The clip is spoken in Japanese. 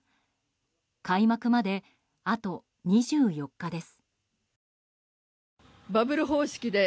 開幕まであと２４日です。